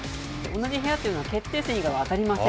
同じ部屋というのは、決定戦以外は当たりません。